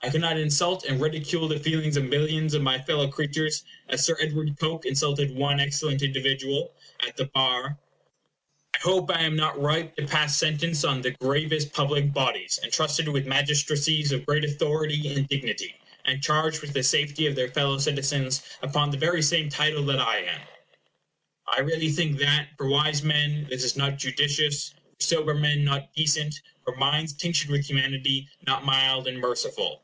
I cannot insult and ridicule the feelings of millions of my fellow creatures as Sir Edward Coke insulted one excellent individual (Sir Walter Raleigh) at the bar. I hope I am not ripe to pass sentence on the gravest public bodies, intrusted with magistracies of great authority and dignity, and charged with the safety of their fellow citizens, upon the very same title that I am. I really think that, for wise men, this is not judicious; for sober men, not decent; for minds tinctured with humanity, not mild and merciful.